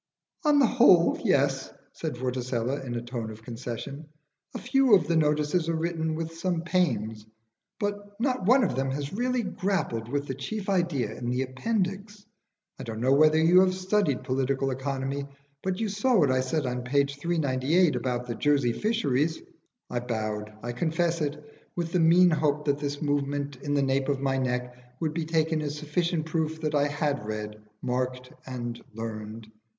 "On the whole yes," said Vorticella, in a tone of concession. "A few of the notices are written with some pains, but not one of them has really grappled with the chief idea in the appendix. I don't know whether you have studied political economy, but you saw what I said on page 398 about the Jersey fisheries?" I bowed I confess it with the mean hope that this movement in the nape of my neck would be taken as sufficient proof that I had read, marked, and learned.